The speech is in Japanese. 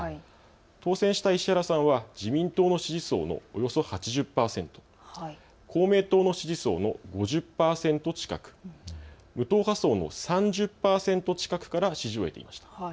当選した石原さんは自民党の支持層のおよそ８０％、公明党の支持層の５０％近く、無党派層の３０％近くから支持を得ました。